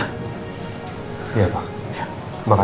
mudah mudahan pak irfan bisa bantu ya